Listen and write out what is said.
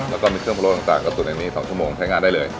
แล้วก็มีเครื่องพลวงต่างก็ตุ๋นแบบนี้สองชั่วโมงใช้งานได้เลย